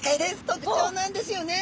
特徴なんですよね。